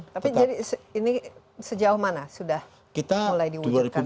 tapi jadi ini sejauh mana sudah mulai diwujudkan